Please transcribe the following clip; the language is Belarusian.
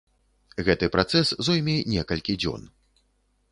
Гэты працэс зойме некалькі дзён.